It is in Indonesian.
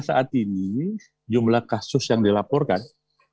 saat ini jumlah kasus yang dilaporkan